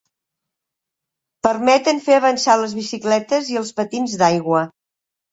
Permeten fer avançar les bicicletes i els patins d'aigua.